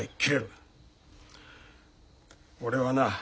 俺はな